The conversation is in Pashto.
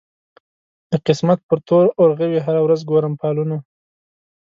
د قسمت پر تور اورغوي هره ورځ ګورم فالونه